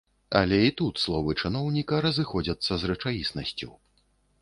Але і тут словы чыноўніка разыходзяцца з рэчаіснасцю.